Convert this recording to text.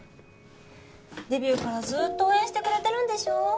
デビューからずっと応援してくれてるんでしょ？